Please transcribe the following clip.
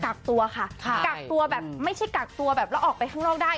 กักตัวค่ะกักตัวแบบไม่ใช่กักตัวแบบแล้วออกไปข้างนอกได้